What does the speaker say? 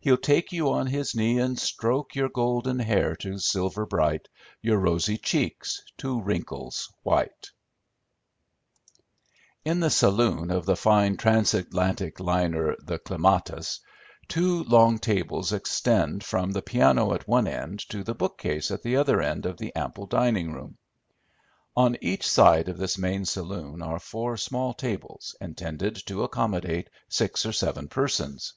He'll take you on his knee, and stroke Your golden hair to silver bright, Your rosy cheeks to wrinkles white" In the saloon of the fine Transatlantic liner the Climatus, two long tables extend from the piano at one end to the bookcase at the other end of the ample dining room. On each side of this main saloon are four small tables intended to accommodate six or seven persons.